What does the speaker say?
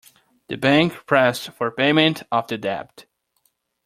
The bank pressed for payment of the debt.